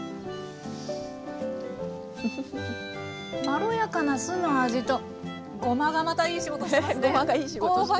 まろやかな酢の味とごまがまたいい仕事してますね。